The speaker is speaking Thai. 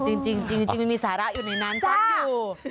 เออจริงมันมีสาระอยู่ในนั้นซ้อนอยู่